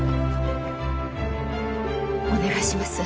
お願いします。